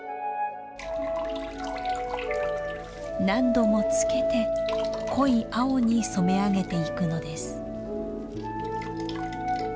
何度もつけて濃い青に染め上げていくのです。